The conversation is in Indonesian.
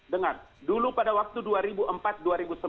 dengar dulu pada waktu dua ribu empat dua ribu sebelas